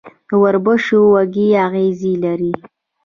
د وربشو وږی اغزي لري.